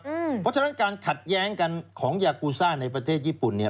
เพราะฉะนั้นการขัดแย้งกันของยากูซ่าในประเทศญี่ปุ่นเนี่ย